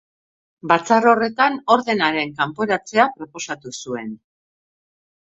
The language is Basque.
Batzar horretan ordenaren kanporatzea proposatu zuen.